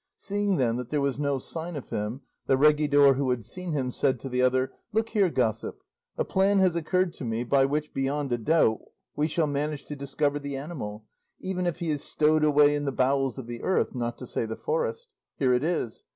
Seeing, then, that there was no sign of him, the regidor who had seen him said to the other, 'Look here, gossip; a plan has occurred to me, by which, beyond a doubt, we shall manage to discover the animal, even if he is stowed away in the bowels of the earth, not to say the forest. Here it is.